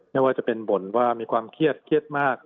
ไม่ว่าจะเป็นบ่นว่ามีความเครียดเครียดมาก